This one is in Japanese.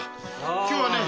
今日はね